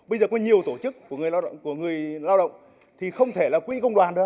bây giờ có nhiều tổ chức của người lao động thì không thể là quỹ công đoàn được